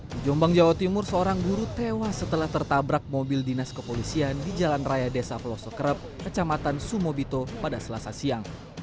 di jombang jawa timur seorang guru tewas setelah tertabrak mobil dinas kepolisian di jalan raya desa pelosokrep kecamatan sumobito pada selasa siang